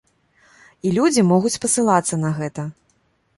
І людзі могуць спасылацца на гэта.